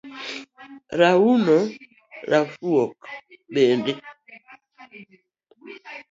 Wuoino rafuok bende